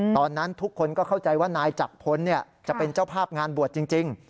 ตอนนั้นทุกคนก็เข้าใจว่านายจักรพลจะเป็นเจ้าภาพงานบวชจริง